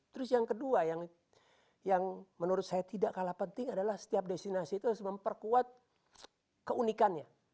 terus yang kedua yang menurut saya tidak kalah penting adalah setiap destinasi itu harus memperkuat keunikannya